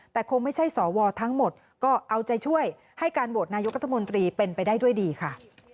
แต่คงไม่ใช่สวทั้งหมดก็เอาใจช่วยให้การโหวตนายกรัฐมนตรีเป็นไปได้ด้วยดีค่ะ